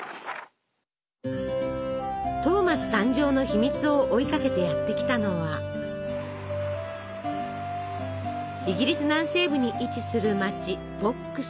トーマス誕生の秘密を追いかけてやって来たのはイギリス南西部に位置する町ボックス。